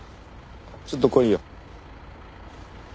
ちょっと来いよ。